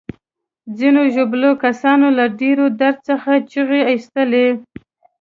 ځینو ژوبلو کسانو له ډیر درد څخه چیغې ایستلې.